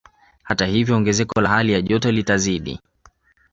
Hata hivyo ongezeko la hali joto litazidi